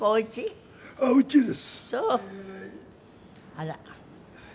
あら。